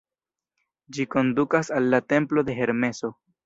Ĝi kondukas al la templo de Hermeso.